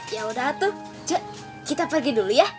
yaudah tuh ce kita pergi dulu ya